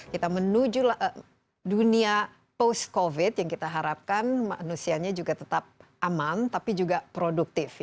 kita menuju dunia post covid yang kita harapkan manusianya juga tetap aman tapi juga produktif